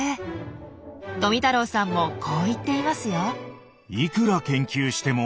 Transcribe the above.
富太郎さんもこう言っていますよ。